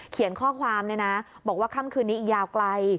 เขียนข้อความเลยนะบอกว่าค่ำคืนนี้อีกยาวไกล